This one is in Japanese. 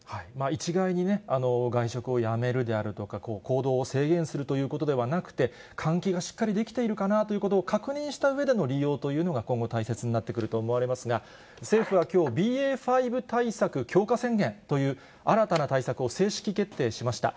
一概にね、外食をやめるであるとか、行動を制限するということではなくて、換気がしっかりできているかなということを確認したうえでの利用というのが、今後、大切になってくると思われますが、政府はきょう、ＢＡ．５対策強化宣言という新たな対策を正式決定しました。